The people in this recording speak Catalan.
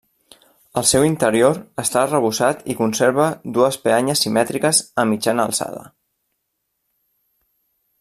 El seu interior està arrebossat i conserva dues peanyes simètriques a mitjana alçada.